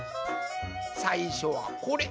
さいしょはこれ！